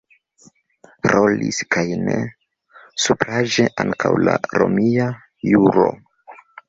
Rolis, kaj ne supraĵe, ankaŭ la romia juro.